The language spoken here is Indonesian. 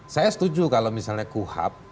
saya setuju kalau misalnya kuhap